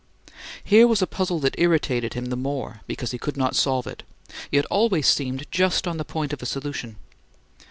Here was a puzzle that irritated him the more because he could not solve it, yet always seemed just on the point of a solution.